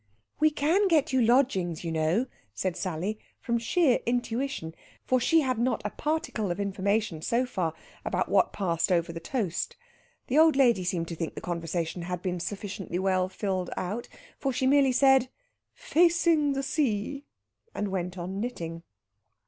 "We can get you lodgings, you know," said Sally, from sheer intuition, for she had not a particle of information, so far, about what passed over the toast. The old lady seemed to think the conversation had been sufficiently well filled out, for she merely said, "Facing the sea," and went on knitting.